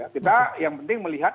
kita yang penting melihat